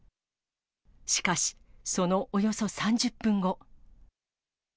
しかし、そのおよそ３０分後。